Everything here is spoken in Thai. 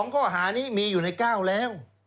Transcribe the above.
ข้อหานี้มีอยู่ใน๙แล้ว